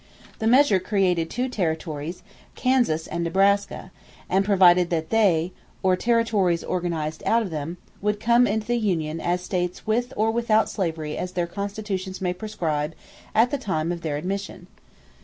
The measure created two territories, Kansas and Nebraska, and provided that they, or territories organized out of them, could come into the union as states "with or without slavery as their constitutions may prescribe at the time of their admission."